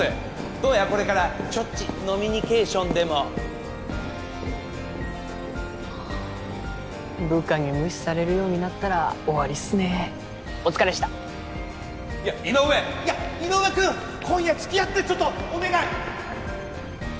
どうやこれからちょっち飲みにケーションでも部下に無視されるようになったら終わりっすねお疲れっしたいや井上いや井上君今夜つきあってちょっとお願い！